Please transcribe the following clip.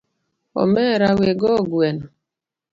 Omera wego gueno